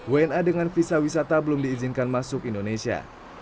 wna dengan visa wisata belum diizinkan masuk indonesia